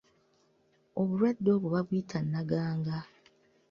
Obulwadde obwo buyitibwa naganga.